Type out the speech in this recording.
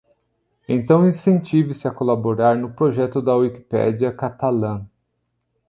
Então, incentive-se a colaborar no projeto da Wikipédia catalã.